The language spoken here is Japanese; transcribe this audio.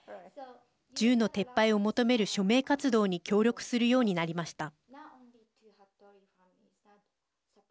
銃の撤廃を求める署名活動に協力するようになりました。